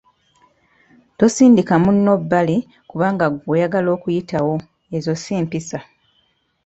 Tosindika munno bbali kubanga ggwe oyagala kuyitawo, ezo si mpisa.